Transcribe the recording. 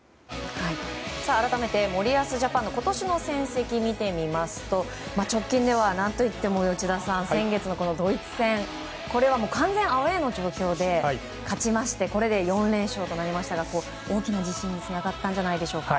改めて森保ジャパンの今年の戦績を見てみますと直近では、何といっても先月のドイツ戦。これは完全アウェーの状況で勝ちましてこれで４連勝となりましたが大きな自信につながったんじゃないでしょうか。